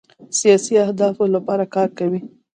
سیاسي اهدافو لپاره کار کوي.